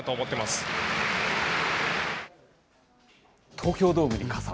東京ドームに傘。